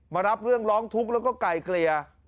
มารับเรื่องร้องทุกข์แล้วก็ไกลเกลี่ย